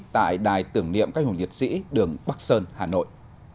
tại đài tưởng niệm các hồ liệt sĩ đường bắc sơn hà nội